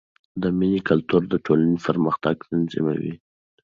د مینې کلتور د ټولنې پرمختګ تضمینوي.